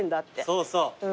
そうそう。